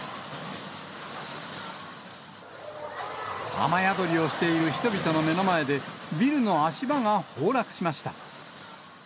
雨宿りをしている人々の目の前で、ビルの足場が崩落しました。